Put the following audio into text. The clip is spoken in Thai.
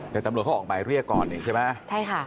แต่ตำรวจเขาออกหมายเรียกก่อนนี่ใช่ไหมใช่ค่ะ